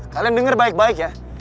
kalian dengar baik baik ya